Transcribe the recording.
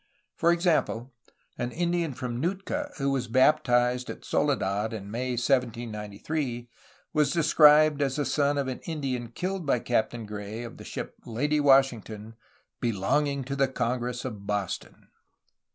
For example, an Indian from Nootka who was baptized at Soledad in May 1793 was described as the son of an Indian killed by Captain Gray of the ship Lady Washington "be longing to the Congress of Boston."